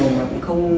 mà cũng không nghĩ là